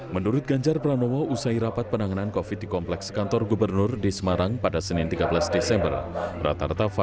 kepala kepala kepala